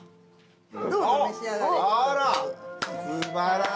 あら！